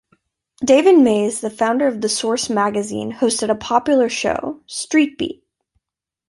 David Mays, the founder of "The Source" magazine, hosted a popular show, "Street Beat".